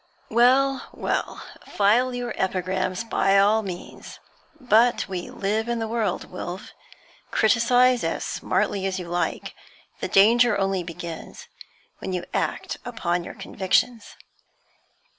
'Well, well, file your epigrams by all means; but we live in the world, Wilf. Criticise as smartly as you like; the danger only begins when you act upon your convictions.'